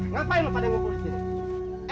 ngapain lo pada mau kurus gini